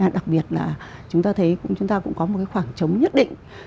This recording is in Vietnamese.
đặc biệt là chúng ta thấy chúng ta cũng có một khoảng trống nhất định